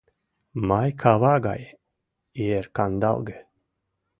Май кава гай ер кандалге.